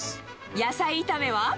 野菜炒めは？